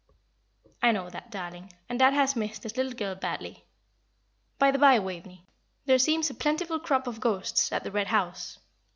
"I know that, darling, and dad has missed his little girl badly. By the bye, Waveney, there seems a plentiful crop of ghosts at the Red House.